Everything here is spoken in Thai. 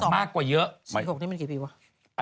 มากกว่าเยอะ